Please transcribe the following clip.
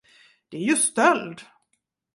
Det är ju stöld!